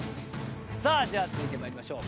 さあじゃあ続いて参りましょう。